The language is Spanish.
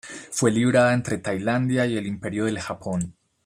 Fue librada entre Tailandia y el Imperio del Japón.